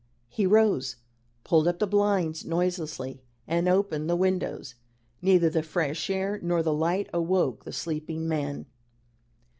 He rose, pulled up the blinds noiselessly, and opened the windows. Neither the fresh air nor the light awoke the sleeping man.